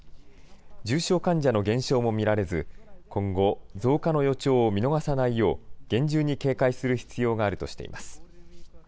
重症患者の減少も見られず、今後、増加の予兆を見逃さないよう、厳重に警戒する必要があるとしています。